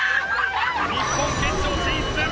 日本、決勝進出！